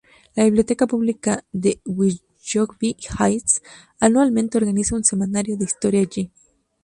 La Biblioteca Pública de Willoughby Hills anualmente organiza un seminario de historia allí.